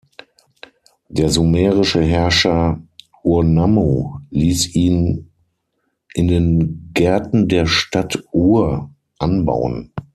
Der sumerische Herrscher Urnammu ließ ihn in den Gärten der Stadt Ur anbauen.